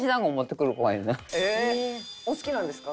へえお好きなんですか？